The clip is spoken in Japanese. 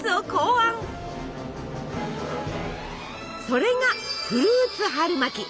それがフルーツ春巻き！